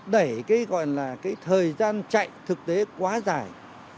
đẩy cái gọi là cái thời gian chạy thực tế quá dài